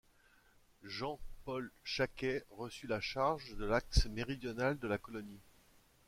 Jean-Paul Jacquet reçut la charge de l'axe méridional de la colonie.